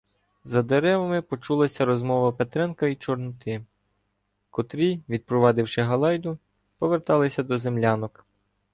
За деревами почулася розмова Петренка і Чорноти, котрі, відпровадивши Галайду, поверталися до землянок.